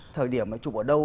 thời điểm chụp ở đâu